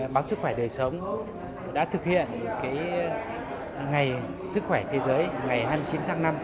báo sức khỏe đời sống đã thực hiện ngày sức khỏe thế giới ngày hai mươi chín tháng năm với các chủ đề khác nhau